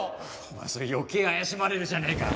お前それ余計怪しまれるじゃねえか。